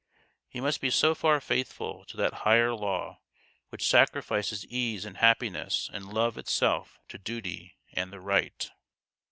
He must be so far faithful to that higher law which sacrifices ease and happiness and love itself to duty and the right.